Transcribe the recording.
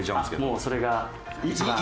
もうそれが一番。